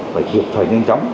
phải kiệp thời nhanh chóng